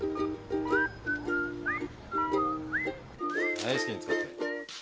はい好きに使って。